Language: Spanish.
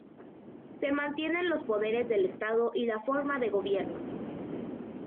Se mantienen los poderes del Estado y la forma de gobierno.